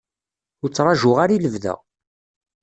Ur ttṛaǧuɣ ara i lebda.